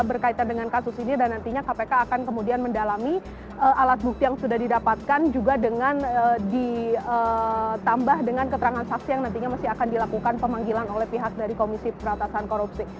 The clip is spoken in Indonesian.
berkaitan dengan kasus ini dan nantinya kpk akan kemudian mendalami alat bukti yang sudah didapatkan juga dengan ditambah dengan keterangan saksi yang nantinya masih akan dilakukan pemanggilan oleh pihak dari komisi peratasan korupsi